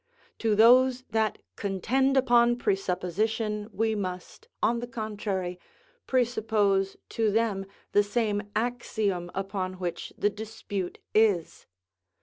To those that contend upon presupposition we must, on the contrary, presuppose to them the same axiom upon which the dispute is.